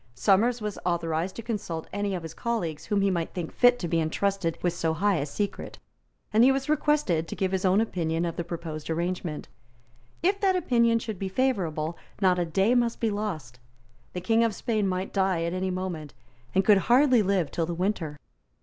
Somers was authorised to consult any of his colleagues whom he might think fit to be entrusted with so high a secret; and he was requested to give his own opinion of the proposed arrangement. If that opinion should be favourable, not a day must be lost. The King of Spain might die at any moment, and could hardly live till the winter.